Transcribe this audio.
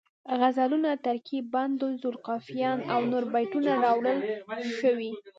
غزلونه، ترکیب بند ذوالقافیتین او نور بیتونه راوړل شوي